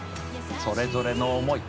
「それぞれの思い。